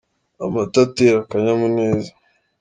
Amata atera akanyamuneza.